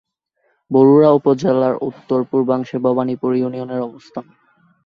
বরুড়া উপজেলার উত্তর-পূর্বাংশে ভবানীপুর ইউনিয়নের অবস্থান।